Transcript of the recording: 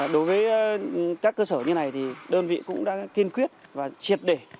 đối với các cơ sở như này thì đơn vị cũng đã kiên quyết và triệt để